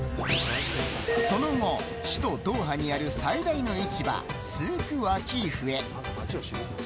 その後、首都ドーハにある最大の市場スーク・ワキーフへ。